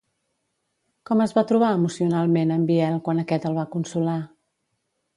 Com es va trobar emocionalment en Biel quan aquest el va consolar?